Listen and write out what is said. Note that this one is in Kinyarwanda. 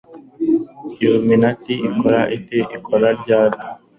iluminati ikora ite? ikora ryari